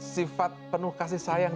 sifat penuh kasih sayang